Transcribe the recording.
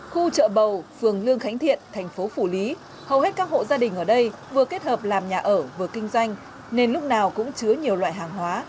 khu chợ bầu phường lương khánh thiện thành phố phủ lý hầu hết các hộ gia đình ở đây vừa kết hợp làm nhà ở vừa kinh doanh nên lúc nào cũng chứa nhiều loại hàng hóa